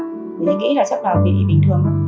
chị nghĩ là chắc là bị bình thường